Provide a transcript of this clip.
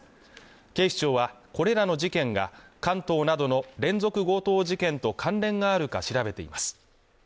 警視庁はこれらの事件が関東などの連続強盗事件と関連があるか調べています